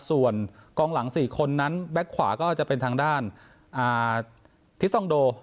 ส่วนกองหลัง๔คนนั้นแบ็คขวาก็จะเป็นทางด้านทิซองโด